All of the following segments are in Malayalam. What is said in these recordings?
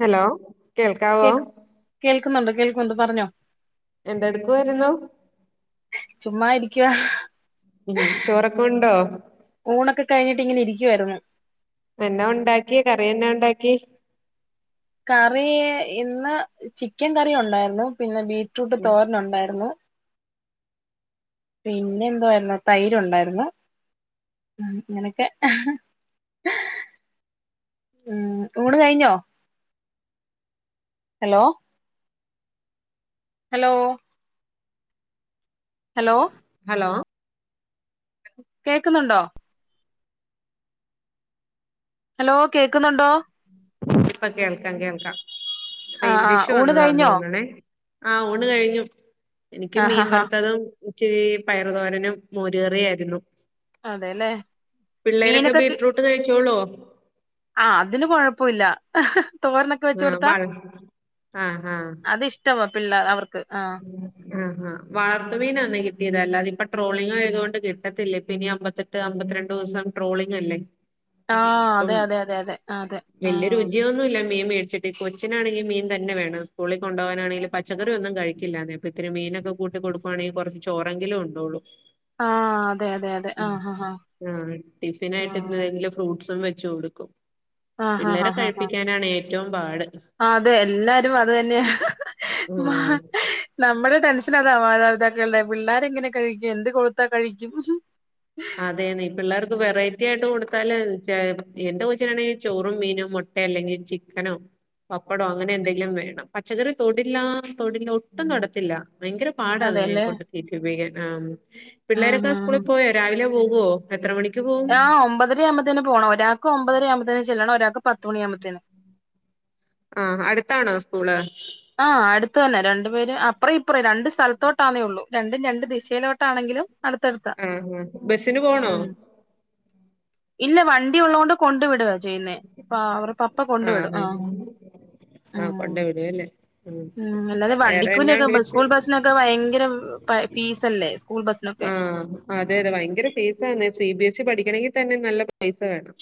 ഹലോ കേൾക്കാവോ കേക്ക് കേൾക്കുന്നുണ്ട് കേൾക്കുന്നുണ്ട് പറഞ്ഞോ എന്തെടുക്കുവായിരുന്നു ചുമ്മാ ഇരിക്കുവാ ഉം ചോറൊക്കെ ഉണ്ടോ ഊണൊക്കെ കഴിഞ്ഞിട്ട് ഇങ്ങനെ ഇരിക്കുവായിരുന്നു എന്നാ ഉണ്ടാക്കിയെ കറി എന്നാ ഉണ്ടാക്കി കറി ഇന്ന് ചിക്കൻ കറി ഉണ്ടായിരുന്നു പിന്നെ ബീ റ്റ്റൂട്ട് തോരനുണ്ടായിരുന്നു പിന്നെ എന്തുവായിരുന്നു തൈര് ഉണ്ടായിരുന്നു ഉം ഇങ്ങനെ ഒക്കെ ഉം ഊണ് കഴിഞ്ഞോ ഹലോ ഹലോ ഹലോ ഹലോ കേക്കുന്നുണ്ടോ ഹലോ കേക്കുന്നുണ്ടോ ഇപ്പൊ കേൾക്കാം കേൾക്കാം ആ ആ റൈഞ്ച് ഇഷ്യു ഊണ് വന്നതാ കഴിഞ്ഞോ തോന്നണേ ആഹ് ഊണ് കഴിഞ്ഞു എനിക്ക് ആ ഹാ മീൻ ഹാ വറുത്തതും ഇൻക്ക് പയറു തോരനും മോരു കറി ആയിരുന്നു അതെല്ലേ പിള്ളേരൊക്കെ മീനൊക്കെ ബീറ്റ്‌റൂട്ട് കഴിച്ചോളോ ആഹ് അതിന് കൊഴപ്പൊല്ല തോരനൊക്കെ വെച്ച് ആഹ് കൊടുത്താ വള ആഹ് ആഹ് അത് ഇഷ് ഷ്ടവാ പിള്ളേ അവർക്ക് ആഹ് ആഹ് ആഹ് വളർത്തു മീനാ ഇന്ന് കിട്ടിയത് അല്ലാതെ ഇപ്പോ ട്രോളിംഗ് ആയതു കൊണ്ട് കിട്ടത്തില്ല ഇപ്പ ഇനി അമ്പത്തെ ട്ട് അമ്പത്രണ്ടൂസം ട്രോളിംങ്ങല്ലേ ആ ഈ ഇപ്പം അതെ അതെ അതെ അതെ അതെ വല്ല്യ ആ രുചിയൊന്നുല്ല മീൻ മേടിച്ച് ട്ട് കൊച്ചിനാണെങ്കി മീൻ തന്നെ വേണം സ്കൂളി കൊണ്ടവാനാണെങ്കിലും പച്ചക്കറി ഒന്നും കഴി ക്കില്ല അതെപ്പ ഇത്തിരി മീനൊക്കെ കൂട്ടി കൊടുക്കുവാണെ കൊറച്ച് ചോറെങ്കിലും ഉണ്ടോളും ആഹ് അതെ അതെ അതെ ഉം ആഹ് ആഹ് ആഹ് ടിഫിനായിട്ടെതേങ്കിലും ഫ്രൂട്ട്സും വെച്ച് കൊട്ക്കും ആഹ് ആഹ് ആഹ് പിള്ളേരെ ആഹ് ആഹ് ആഹ് കഴിപ്പിക്കാനാണ് ഏറ്റവും പാട് അതെ എല്ലാരും അത് തന്നെയാ ആഹ് നമ്മളെ ടെൻഷനതാ മാതാപിതാക്കള്ടെ പിള്ളാരെങ്ങനെ കഴിക്കും എന്ത് കൊടുത്താ കഴിക്കും അതെന്നെ പിള്ളേർക്ക് വെറൈറ്റിയായിട്ട് കൊട്ത്താല് ചേ എന്റെ കൊച്ചിനാണെങ്കി ചോറും മീനും മു ട്ടെ അല്ലെങ്കി ചിക്കനോ പപ്പടോ അങ്ങനെന്തെങ്കിലും വേണം പച്ചക്കറി തൊടില്ലാ തൊടില്ല ഒട്ടും തൊടത്തില്ല ഭയങ്കര പാടാ അതിനെ അതെല്ലേ കൊണ്ട് തീറ്റിപ്പിക്കാൻ ആഹ് ഉം പിള്ളേരൊക്കെ ഉം സ്കൂളി പോയോ രാവിലെ പോകോ എത്ര മണിക്ക് പോവും ആഹ് ഒമ്പതരയാവുമ്പത്തേനും പോണം ഒരാക്ക് ഒമ്പതരയാവുമ്പത്തേനും ചെല്ലണം ഒരാക്ക് പത്തുമണിയാവുമ്പത്തേനും ആഹ് അട്ത്താണോ സ്കൂള് ആഹ് അട്ത്ത്തന്നെ രണ്ടു പേരും അപ്പറം ഇപ്പറം രണ്ട് സ്ഥലത്തോട്ടാന്നെ ഒള്ളൂ രണ്ടും രണ്ട് ദിശയിലോ ട്ടാണെങ്കിലും അട്ത്തട്ത്താ ആഹ് ആഹ് ബസിന് പോണോ ഉം ഇല്ല വണ്ടി ഉള്ളോണ്ട് കൊണ്ട് വിട് ചെയ്യുന്നേ പ്പ അവര്ടെ പപ്പ കൊണ്ട് വിടും ആഹ് ഉം [unintelligible] ഉം അല്ലാതെ വേറെ എന്നാ വണ്ടിക്കൂലൊക്കെ ഉണ്ട് ബ സ്കൂള് വിശേഷം ബസിനൊക്കെ ഭയങ്കര പൈ ഫീസല്ലേ സ്കൂൾ ബസ്സിനൊക്കെ ആഹ് അതെ അതെ ഭയങ്കര ഫീസാന്ന് സിബിഎസ്ഇ പഠിക്കണെങ്കി തന്നെ നല്ല പൈസ വേണം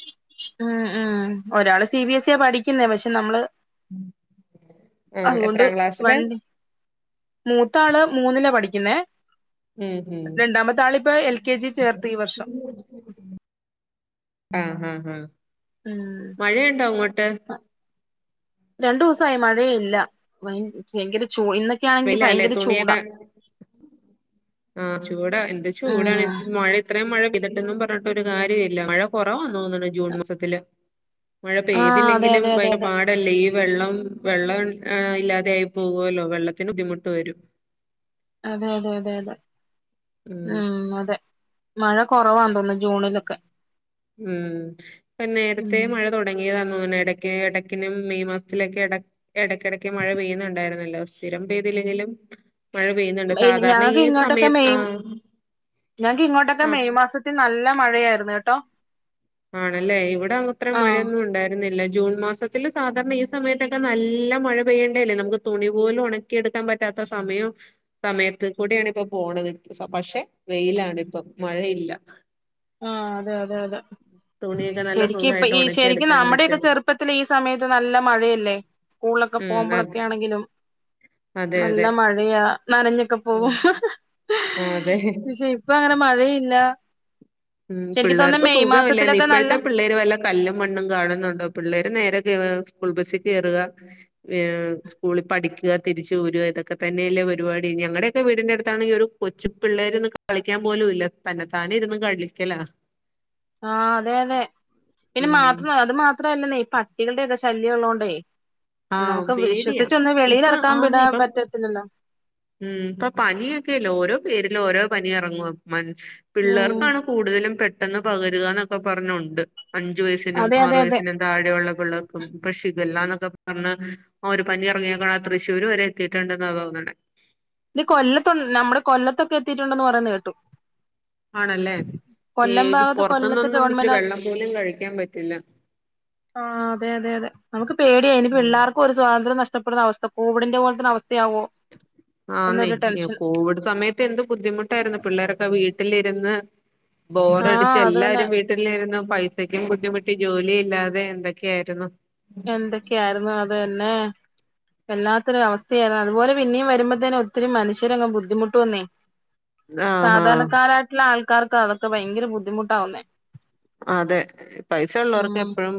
ആഹ് ആഹ് ഒരാള് സിബിഎസ്സിയാ പഠിക്ക്ന്നേ പക്ഷെ നമ്മള് ആ. അത് കൊണ്ട് എത്രാം ക്ലാസ്സിലാ? വണ്ടി മൂത്താള് മൂന്നിലാ പഠിക്കുന്നേ ഉം. ഉം. രണ്ടാമത്താള് ഇപ്പൊ എൽകെജി ചേർത്തി ഈ വർഷം ഉം ഉം ഉം ഉം മഴയുണ്ടോ അങ്ങോട്ട് രണ്ടൂസായി മഴയില്ല ഭയ് ഭയങ്കര ചൂ ഇന്ന് വെയ്ലാല്ലേ തുണിയൊക്കെ ആഹ് ചൂടാ എന്ത് ചൂടാണ് ഉം മോഴ ഇത്രേം മഴ പെയ്തിട്ടെന്നും പറഞ്ഞിട്ടൊരു കാര്യല്ല മഴ കൊറവാ തോന്ന്ണ് ജൂൺ മാസത്തില് മഴ ആഹ് അതെ പെയ്തില്ലെങ്കിലും അതെ അതെ ഭയങ്കര അതെ പാ ടല്ലേ ഈ വെള്ളം വെള്ളം ഇല്ലാതെ ആയി പോവല്ലോ വെള്ള ത്തിന് ബുദ്ധിമുട്ട് വരും. അതെ അതെ അതെ അതെ ഉം അതെ മഴ കൊറവാ തോന്ന്ന്നു ജൂണിലൊക്കെ. ഉം ഇപ്പ നേരത്തെ ഉം മഴ തൊടങ്ങിയതാന്ന് തോന്ന്ണ് എടക്ക് എടയ്ക്കിനും മെയ് മാസത്തിലൊക്കെ എട എടക്കെടയ്ക്ക് മഴ പെയ്യ്ന്ന്ണ്ടായിര് അല്ല സ്ഥിരം പെയ്തില്ലെങ്കിലും മഴ പെയ്യുന്നുണ്ട് സാധാരണ [unintelligible] ഈ ഇങ്ങോട്ടൊക്കെ സമയത്ത് മെയ് ആ [unintelligible] ഇങ്ങോട്ടൊക്കെ ആ മെയ് മാസ ത്തില് നല്ല മഴയായിരുന്ന്ട്ടോ ആണല്ലേ ഇവിടെങ്ങു ഇത്ര ആഹ് മഴയൊന്നും ഉണ്ടായി രുന്നില്ല ജൂൺ മാസത്തിൽ സാധാരണ ഈ സമയത്തൊക്കെ നല്ല മഴ പെയ്യേണ്ടല്ലേ നമുക്ക് തുണി പോലും ഒണ ക്കിയെട്ക്കാൻ പറ്റാത്ത സമയം സമയത്ത് കൂടിയാണ് ഇപ്പൊ പോണത് പക്ഷെ വെയിലാണ്പ്പം മഴയില്ല. ആഹ് അതെ അതെ അതെ. തുണിയൊക്കെ നല്ല ശരിക്കും ഇപ്പൊ സുഖമായിട്ട് ഈ ശരിക്കും ഉണക്കിയെടുക്കാൻ നമ്മുടെയൊക്കെ പറ്റും ചെറുപ്പത്തി ഈ സമയത്ത് നല്ല മഴയല്ലേ സ്കൂളൊക്കെ പോകുമ്പോഴൊക്കെയാണെങ്കിലും- ആഹ്. നല്ല മഴയാ നനഞ്ഞൊക്കെ പോവും. ഉം ആ, അതെ പക്ഷെ ഇപ്പൊ അങ്ങനെ മഴയില്ല. ശരിക്ക് തോന്നുന്നു പിള്ളേർക്ക് മെയ് സുഖവില്ലാരുന്ന് മാസത്തിലൊക്കെ നല്ല ഇപ്പഴത്തെ - ഈ പിള്ളേര് വല്ല കല്ലും മണ്ണും കാണുന്നുണ്ടോ പിള്ളേര് നേരെ സ്കൂൾ ബസിൽ കെയറുക ഏഹ് [unintelligible] സ്കൂളി പഠിക്കുക തിരിച്ച് വരുക ഇതൊക്കെ തന്നേയല്ലേ പരിപാടി ഞങ്ങടെയൊക്കെ വീടിന്റെ അടുത്താണെങ്കി ഒരു കൊച്ചു പിള്ളേര് നിക്ക കളിക്കാൻ പോലൂല്ല തന്നെതാനെ ഇരുന്ന് കളിക്കല. ആഹ് അതെ അതെ പിന്നെ മാത്രം അത് മാത്രല്ലന്നേ ഈ പ - പട്ടികളുടെ ഒക്കെ ശല്യവുള്ളോണ്ടെ ആ നമുക്ക് പേടിയാ വിശ്വസിച്ചൊന്ന് ഇപ്പൊ വെളിയിലിറക്കാൻ ആന്ന് വിടാൻ ഇപ്പൊ പറ്റ ഇല്ലല്ലോ ഉം ഇപ്പ പനിയൊക്കെയല്ല ഓരോ പേരിലും ഓരോ പനി ഇറങ്ങവാ മനു ഉം പിള്ളേർക്കാണോ - കൂടുതലും പെട്ടെന്ന് പകരാന്നൊക്കെ പറഞ് ഒണ്ട് അഞ്ചു വയസിനും അതെ അതെ ആറു അതെ വയസിനും താഴെയുള്ള പിള്ളേർക്കും പക്ഷെ ഇതെല്ലാന്നൊക്കെ പറഞ്ഞാ ആഹ് ഒരു പനി ഇറങ്ങിയേക്കണ് ആഹ് തൃശ്ശൂര് വരെ എത്തിട്ടുണ്ട് എന്നാ തോനണെ ഇത് കൊല്ലത്ത് ഒൺ നമ്മുടെ കൊല്ലത്തൊക്കെ എത്തിയിട്ടുണ്ടന്ന് പറയുന്നത് കേട്ടു. ആണല്ലേ കൊല്ലം ഈ ഭാഗത്ത് കൊല്ലത്ത് പൊറത്തുന്നൊന്നും ഇച്ചിരി ഗവൺമെന്റ് വെള്ളം ആശുപത്രി പോലും കഴിക്കാൻ പറ്റില്ല. ആഹ് അതെ അതെ അതെ നമുക്ക് പേടിയാ ഇനി ഉം പിള്ളേർക്ക ഇപ്പൊ ഒരു സ്വാതന്ത്യം നഷ്ടപ്പെടുന്ന അവസ്ഥ കോവിഡിന്റെ പോലത്തെ അവസ്ഥയാവോ? ആന്നേ എന്നൊരു ഈ ടെൻഷൻ കോവിഡ് സമയത്ത് എന്ത് ബുദ്ധിമുട്ടായിരുന്നു പിള്ളേരൊക്കെ വീട്ടിലിരുന്ന് ബോറടിച്ച് ആഹ് അത് തന്നെ എല്ലാരും വീട്ട വീട്ടിലിരുന്നു പൈസക്കും ബുദ്ധിമുട്ടി ജോലി ഇല്ലാതെ എന്തൊക്കെയായിരുന്നു. എന്തൊക്കെയായിരുന്നു അത് തന്നെ. വല്ലാത്ത ഒരു അവസ്ഥയായിരുന്നു അതുപോല പിന്നെയും വരുമ്പോത്തെനു ഒത്തിരി മനുഷ്യരൊക്കെ ബുദ്ധിമുട്ടുവെന്നേ. [inaudible] സാധാരണക്കാരായിട്ടുള്ള ആൾക്കാർക്കാ അതൊക്കെ ഭയങ്കര ബുദ്ധിമുട്ടാവുന്നേ. അതെ പൈസ ഉള്ളോർക്ക് ഉം എപ്പഴും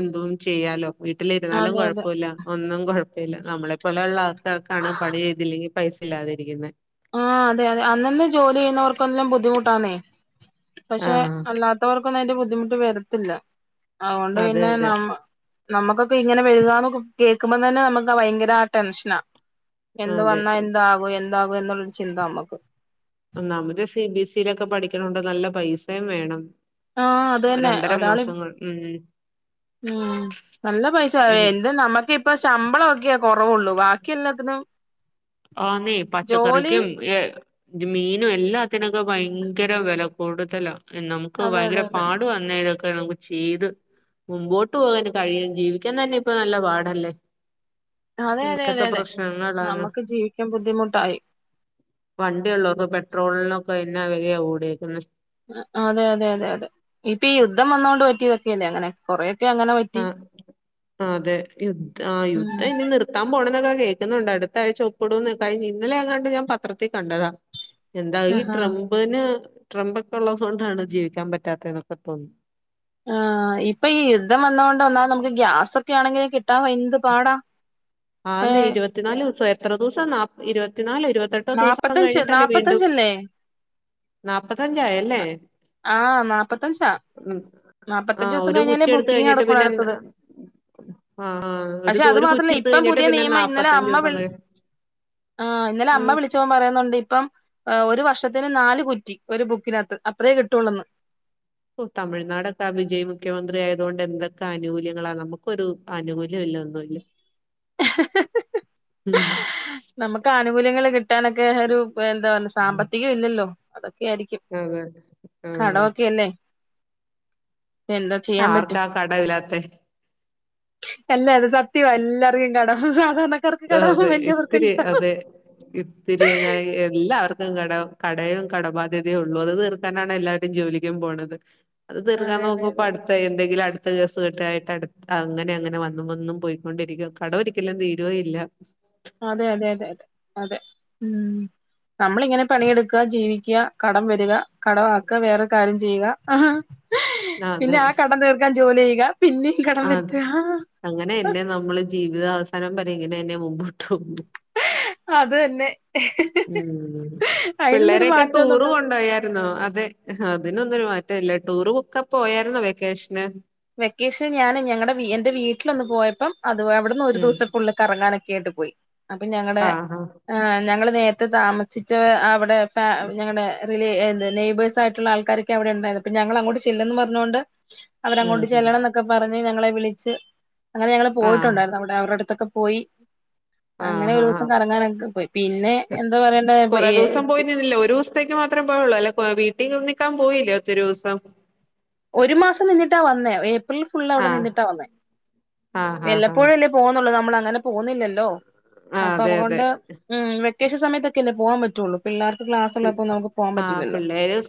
എന്തും ചെയ്യാലോ? വീട്ടിലിരുന്നാലും അതെ അതെ കൊഴപ്പവില്ല. ഒന്നും കൊഴപ്പവില്ല നമ്മളെപ്പോലെയുള്ള ആൾക്കാർക്കാണ് പണി ചെയ്തില്ലെങ്കിൽ പൈസ ഇല്ലാതിരിക്കുന്നത്. ആഹ് അതെ അതെ അന്നന്ന് ജോലി ചെയ്യുന്നവർക്കെല്ലാം ബുദ്ധിമുട്ടാന്നേ പക്ഷെ ആഹ് അല്ലാത്ത അല്ലാത്തവർക്കൊന്നും അതിന്റെ ബുദ്ധിമുട്ട് വരത്തില്ല അതുകൊണ്ട് അതെ പിന്നെ അതെ നമ്മ നമുക്കൊക്കെ ഇങ്ങനെ വരികാന്ന് കേൾക്കുമ്പോ തന്നെ നമുക്ക് ഭയങ്കര ആഹ് ടെൻഷനാ. എന്ത് അതെ വന്നാ എന്താകും എന്താകും എന്നുള്ള ഒരു ചിന്ത നമ്മക്ക്. ഒന്നാമത് സി ബി സി ലൊക്കെ പഠിക്കണോണ്ട് നല്ല പൈസയും വേണം. ആഹ് അത് തന്നെ രണ്ടര ഒരാളിപ്പ മാസങ്ങൾ ഉം ഉം നല്ല പൈസ എനി എന്ത് നമ്മക്ക് ഈ - ഇപ്പൊ ശമ്പളം ഒക്കെയ കൊറവുള്ളൂ ബാക്കി എല്ലാത്തിനും - ആന്നെ പച്ചക്കറിക്കും ഏ ഈ മീനും എല്ലാത്തിനൊക്കെ ഭയങ്കര വെല കൂടുതലാ നമുക്ക് അതെ അതെ ഭയങ്കര പാ അതെ പാടും ആ അന്നേരം ഇതൊക്കെ നമുക്ക് ചെയ്ത്- മുമ്പോട്ട് പോകാൻ കഴിയും ജീവിക്കാൻ തന്നെ ഇപ്പൊ നല്ല പാടല്ലേ, അതെ അതെ അതെ ഇതൊക്കെ അതെ, പ്രശ്നങ്ങളാണ് നമുക്ക് ജീവിക്കാൻ ബുദ്ധിമുട്ടായി വണ്ടി ഉള്ളൊക്കെ പെട്രോളിനൊക്കെ എന്നാ വെലയാ കൂടേക്ക്‌ന്നെ അതെ അതെ അതെ അതെ ഇപ്പൊ ഈ യുദ്ധം വന്നുകൊണ്ട് പറ്റിയതൊക്കെല്ലേ അങ്ങനെ കൊറേക്കെ അങ്ങ് ആഹ് അതെ യുദ്ധ ആഹ് യുദ്ധ ഉം ഇനി നിർ ത്താൻ പോണ്ന്നൊക്കെ കേൾക്കുന്നുണ്ട് അടുത്ത ആഴ്ച ഒപ്പിടും കഴിഞ്ഞ ഇന്നലെ അങ്ങാണ്ട് ഞാൻ പത്രത്തിൽ കണ്ടതാ എന്താ ഈ ആഹാ ട്രംപിന് ട്രംപ് ഒക്കെ ഉള്ളത് കൊണ്ടാണ് ജീവിക്കാൻ പറ്റാത്തെ എന്നൊക്കെ തോന്ന്‌ ആഹ് ഇപ്പൊ ഈ യുദ്ധം വന്നത് കൊണ്ട് ഒന്നാത് നമുക്ക് ഗ്യാസൊക്കെ ആണെങ്കിൽ കിട്ടാൻ പാടാ ആന്നെ ഏഹ് ഇരുപത്തിനാല് ദിവസം എത്ര ദിവസം നാ ഇരുപത്തിനാല് ഇരുപ ത്തെട്ടോ ദിവസം നാപ്പത്തഞ്ച് കഴിഞ്ഞിട്ടല്ലേ വീണ്ടും നാപ്പത്തഞ്ചല്ലേ നാല്പത്തഞ്ചായല്ലേ ആഹ് നാപ്പത്തഞ്ചാ ഉം നാപ്പത്തഞ്ച് ആഹ് ദിവസം ഒരു കഴിഞ്ഞാലേ കുറ്റി എടുത്ത് ബുക്കിംഗ് കഴിഞ്ഞിട്ട് നടക്കുള്ളൂ പിന്നെ അടുത്തത് ആഹ് ആഹ് പക്ഷെ അത് മാത്രല്ല ഇപ്പം പുതിയ നിയമം ഇന്നലെ അമ്മ ദിവസം വിൾ കഴിയും ആഹ് ഇന്നലെ അ ഉം അമ്മ വിളിച്ചപ്പൊ പറയുന്നുണ്ട് ഇപ്പം ഒരു വർഷത്തിന് നാല് കുറ്റി ഒരു ബുക്കിനകത്ത് അത്രെയേ കിട്ടുള്ളന്ന് ഓഹ് തമിഴ്നാടൊക്കെ ആ വിജയ് മുഖ്യമന്ത്രി ആയതുകൊണ്ട് എന്തൊക്കെ ആനുകൂല്യങ്ങളാ നമുക്കൊരു ആനുകൂല്യം ഇല്ലഒന്നുംല്ല ഉം നമുക്ക് ആനുകൂല്യങ്ങള് കിട്ടാനൊക്കെ ഒരു എന്താ പറ സാമ്പത്തികം ഇല്ലല്ലോ അതൊക്കെ ആയിരിക്കും അതെ ആഹ് കടമൊക്കെയല്ലേ എന്താ ചെയ്യാൻ പറ്റും ആർക്കാ കടമില്ലാത്തെ അല്ല അത് സത്യമാ എല്ലാർക്കും കടാ സാധാരണക്കാർക്ക് കടാ വലിയവർ- ഒത്തിരി അതെ ഇത്തിരി അങ്ങ എല്ലാവർക്കും കടം കടയും കടബാധ്യതയും ഉള്ളൂ അത് തീർക്കാനാണ് എല്ലാരും ജോലിക്കും പോണത് അത് തീർക്കാൻ അതെ അതെ അതെ നോക്കുമ്പടു എന്തങ്കിലും അടുത്ത കേസ്കെട്ടായിട്ട് അട് അങ്ങനെ അങ്ങനെ വന്നും വന്നും പോയിക്കൊണ്ടിരിക്കും കടം ഒരിക്കലും തീ രൊ ഇല്ല അതെ അതെ അതെ അതെ അതെ ഉം നമ്മളിങ്ങനെ പണിയെടുക്ക ജീവിക്ക കടം വര്ക കട ആക്ക വേറൊരു കാര്യം ചെയ്യുക പിന്നെ അതെ ആഹ് കടം തീർക്കാൻ ജോലി ചെയ്യുക പിന്നെ അത് അങ്ങനെ എന്നെ നമ്മള് ജീവിതാവസാനം വരെ ഇങ്ങനെ എന്നെ മുമ്പോട്ട് പോകുള്ളൂ അത് തന്നെ ഊ അതിനൊന്നൊരു പിള്ളേരൊക്കെ മാറ്റമൊന്നും ടൂറ് ഉണ്ടത് കൊണ്ടുപോയായിരുന്നോ, അതെ അതിനൊന്നുംരു മാറ്റം ഇല്ല ടൂർഒക്കെ പോയാരുന്നോ വെക്കേഷന് വെക്കേഷൻ ഞാൻ ഞങ്ങളടെ എന്റെ വീട്ടിലൊന്ന് പോയപ്പം അത് അവിടുന്ന് ഒരു ഉം ദിവസം ഫുള്ള് കറങ്ങാനൊക്കെ ആയിട്ട് പോയി അപ്പൊ ഞങ്ങടെ ആഹാ. ഞങ്ങള് നേരത്തെ താമസിച്ച അവിടെ ഞങ്ങളുടെ റില് എത്- നെയബേഴ്സ് ആയിട്ടുള്ള ആൾക്കാരൊക്കെ അവിടെ ഉണ്ടായിരുന്നു അപ്പൊ ഞങ്ങൾ അങ്ങോട്ട് ചെല്ലുംന്ന് പറഞ്ഞോണ്ട് ഉം അവരങ്ങോട്ട് ഉം. ചെല്ലണം ക്കെ പറഞ്ഞ് ഞങ്ങളെ വിളിച്ച് അങ്ങനെ ഞങ്ങള് ആഹ്. പോയിട്ടുണ്ടായിരുന്നു അവ്ടെ അവരുടെ അടുത്തൊക്കെ പോയി അങ്ങനെ ആഹ് ഒരു ആഹ്. ദിവസം കറങ്ങാനൊക്ക പോയി പിന്നെ എന്താ പറയണ്ടെ ഏഹ് ഇല്ല ഒരുസ് ത്തേക്ക് മാത്രം പോയുള്ളൂ അല്ലെ വീട്ടിൽ നിക്കാൻ പോയില്ലേ ഒത്തിരി ദിവസം ഒരു മാസം നിന്നിട്ടാ വന്നേ ഏപ്രിൽ ഫുള്ളവിടെ ആഹ്. നിന്നിട്ടാ വന്നേ ആഹ് ആഹ് ആഹ്. വല്ലപ്പോഴും അല്ലെ പോവുന്നുള്ളൂ നമ്മൾ അങ്ങനെ പോവുന്നില്ലല്ലോ ആഹ് അപ്പൊ അതെ അതെ. അതുകൊണ്ട് ഉം വെക്കേഷൻ സയത്തക്കല്ലേ പോവാൻ പറ്റുള്ളൂ പിള്ളേർക്ക് ക്ലാസ് ഉള്ളപ്പോ നമക്ക് പോകാൻ പറ്റില്ലല്ലോ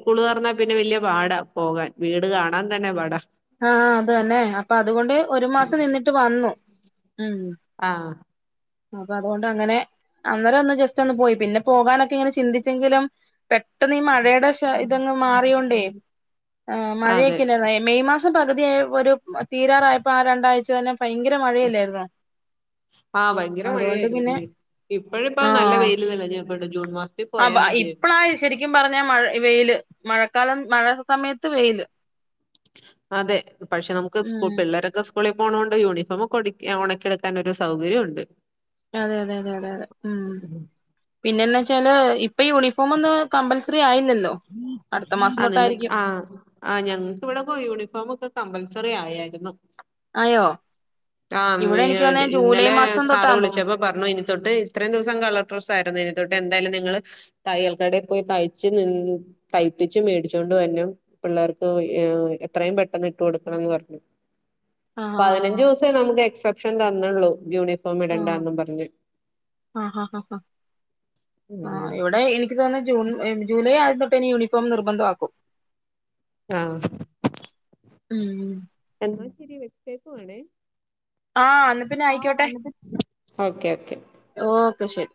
സ്കൂൾ തുറന്ന പിന്നെ വലിയ പാടാ പോകാൻ വീട് കാണാൻ തന്നെ പാടാ ആഹ് അത് തന്നെ അപ്പൊ അതുകൊണ്ട് ഒരു മാസം നിന്നിട്ട് വന്നു ഉം ആഹ് അപ്പൊ അതുകൊണ്ട് അങ്ങനെ അന്നേരം ഒന്ന് ജസ്റ്റ് ഒന്ന് പോയി പിന്നെ പോകാന്നൊക്കെ ഇങ്ങനെ ചിന്തിച്ചെങ്കിലും പെട്ടെന്ന് ഈ മഴയുടെ ശേ ഇതങ്ങ് മാറിയോണ്ടേ. ആ അതെ. മഴയൊക്കെല്ലേ മെയ് മാസം പകുതിയ ഒരു തീരാറായപ്പോ ആ രണ്ടാഴ്ച തന്നെ ഭയങ്കര മഴയല്ലായിരുന്നോ? ആഹ് ഭയങ്കര അതുകൊണ്ട് മഴയായിരുന്നു പിന്നെ ഇന്ന്, ഇപ്പള് ഇപ്പം നല്ല ആഹ് വെയില് തെളിഞ്ഞ് അപ്പം ജൂൺ മാസം ആ ഇപ്പളായി ശരിക്കും പറഞ്ഞാ മഴ വെയില് മഴക്കാലം മഴ സമയത്ത് വെയില്. അതെ പക്ഷെ നമുക്ക് സ്കൂ ഉം പിള്ളേരൊക്കെ സ്കൂ സ്കൂളിൽ പോക്ണോണ്ട് യൂണിഫോം ഒക്കെ ഒടക്ക് ഒണക്കി എടുക്കാനൊക്കെ ഒരു സൗകര്യം ഉണ്ട് അതെ അതെ അതെ അതെ അതെ ഉം പിന്നെന്നാ വെച്ചാല് ഇപ്പം യൂണിഫോം ഒന്നും കമ്പൽസറി ആയില്ലല്ലോ അടുത്ത മാസം ആഹ് നിങ്ങക്ക് തൊട്ടായിരിക്കും. ആഹ് ആ് ഞങ്ങക്ക് ഇവിടൊക്കെ യൂണിഫോമൊക്കെ കമ്പൽസറി ആയായിരുന്നു. ആയോ? ആ മ്മേ ഇവിടെ എനിക്ക് തോന്നേ ജൂലൈ ഇന്നലെ മാസം സാറ് തൊട്ടാന്ന് തോന്നുന്നു വിളിച്ചപ്പം പറഞ്ഞു ഇനി തൊട്ട് ഇത്രയും ദിവസം കളർ ഡ്രസ്സ് ആയിരുന്നു. ഇനി തൊട്ട് എന്തായാലും നിങ്ങള് തയ്യൽക്കടയില് പോയി തയ്ച്ച് നിന്ന് തയ്പ്പിച്ച് മേടിച്ചോണ്ട് വരണം. പിള്ളേർക്ക് ഏ എത്രയും പെട്ടെന്ന് ഇട്ട് കൊടുക്കണംന്ന് പറഞ്ഞു. ആഹ് ആഹ് പതിനഞ്ച് ദിവസേ നമക്ക് എക്സെപ്ഷൻ തന്നൊള്ളൂ യൂണിഫോ ആഹ് ആ ആ ഉം എവിടെ ഇയ് ഇൻക്ക് തോന്ന്ണെ ജൂൺ ഏ ജൂലൈ ആദ്യം തൊട്ട് യൂണിഫോം നിർബന്ധമാക്കും. ആഹ് ഉം എന്നാ ശരി വെച്ചേക്കുവാണേ? ആഹ് എന്നാ പിന്നെ ആയിക്കോട്ടെ [unintelligible] ഓക്കെ ഓക്കെ ഓക്കെ ശരി